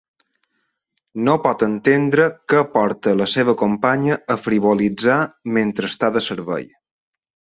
No pot entendre què porta la seva companya a frivolitzar mentre està de servei.